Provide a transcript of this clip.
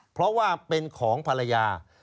เพราะว่าเป็นของภรรยา